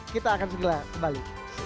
kita akan segera kembali